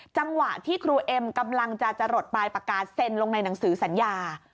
จังหวะที่ครูเอ็มกำลังจะจะหลดปลายปากกาศเซ็นลงในหนังสือสัญญา